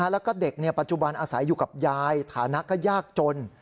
แล้วก็เด็กปัจจุบันอาศัยอยู่กับยายฐานะก็ยากจน